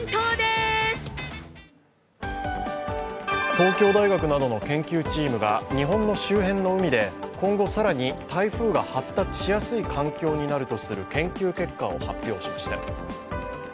東京大学などの研究チームが日本の周辺の海で今後更に台風が発達しやすい環境になるとする研究結果を発表しました。